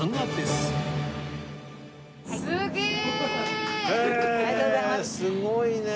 すごいね！